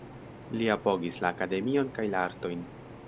Li apogis la akademion kaj la artojn.